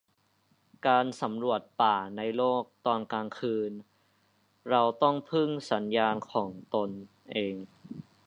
การสำรวจป่าในโลก ตอนกลางคืน เราต้องพึ่งสัญญาณของตนเอง